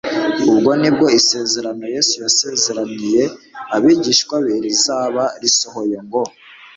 Ubwo nibwo isezerano Yesu yasezeraniye abigishwa be rizaba risohoye ngo :